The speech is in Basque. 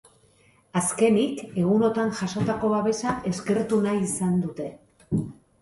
Azkenik, egunotan jasotako babesa eskertu nahi izan dute.